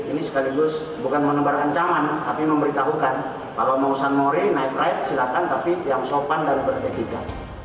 ini sekaligus bukan menebar ancaman tapi memberitahukan bahwa mau sunmori night ride silakan tapi yang sopan dan beretika